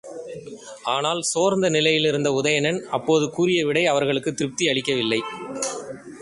ஆனால், சோர்ந்த நிலையிலிருந்த உதயணன் அப்போது கூறிய விடை அவர்களுக்குத் திருப்தி அளிக்கவில்லை.